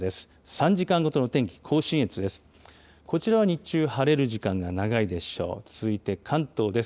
３時間ごとの天気、甲信越です。